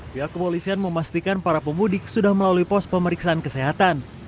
pihak kepolisian memastikan para pemudik sudah melalui pos pemeriksaan kesehatan